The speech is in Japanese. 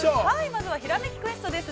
◆まずは「ひらめきクエスト」です。